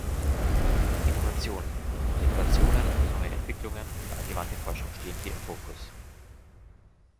Innovation: Innovationen, neue Entwicklungen und angewandte Forschung stehen hier im Fokus.